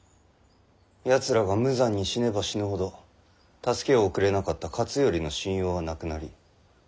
やつらが無残に死ねば死ぬほど助けを送れなかった勝頼の信用はなくなり武田は崩れる。